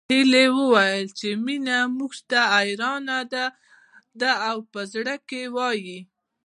هيلې وويل چې مينه موږ ته حيرانه ده او په زړه کې وايي